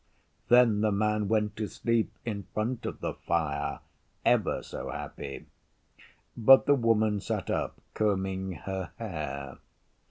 Then the Man went to sleep in front of the fire ever so happy; but the Woman sat up, combing her hair.